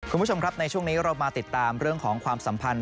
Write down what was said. คุณผู้ชมครับในช่วงนี้เรามาติดตามเรื่องของความสัมพันธ